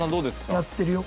やってるよ。